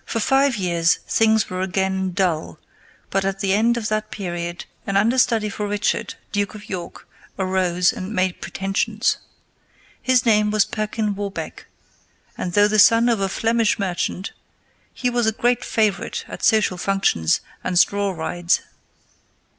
] For five years things were again dull, but at the end of that period an understudy for Richard, Duke of York, arose and made pretensions. His name was Perkin Warbeck, and though the son of a Flemish merchant, he was a great favorite at social functions and straw rides.